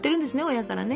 親からね。